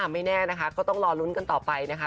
ไม่แน่นะคะก็ต้องรอลุ้นกันต่อไปนะคะ